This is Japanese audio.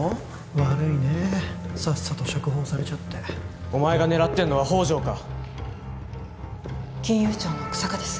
悪いねさっさと釈放されちゃってお前が狙ってんのは宝条か金融庁の日下です